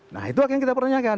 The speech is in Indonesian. nah itu yang kita pertanyakan